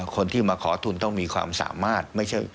คนที่มาขอทุนต้องมีความสามารถ